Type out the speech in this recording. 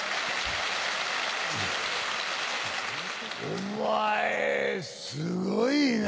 お前すごいな。